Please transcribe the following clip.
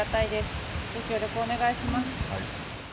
ご協力お願いします。